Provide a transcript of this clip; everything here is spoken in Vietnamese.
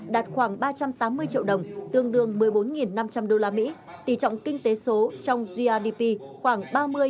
đạt khoảng ba trăm tám mươi triệu đồng tương đương một mươi bốn năm trăm linh usd tỷ trọng kinh tế số trong grdp khoảng ba mươi ba mươi